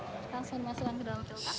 langsung dimasukkan ke dalam pilkas